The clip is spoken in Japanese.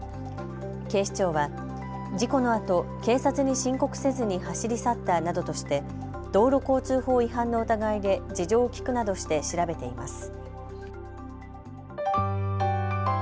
警視庁は事故のあと警察に申告せずに走り去ったなどとして道路交通法違反の疑いで事情を聴くなどして調べています。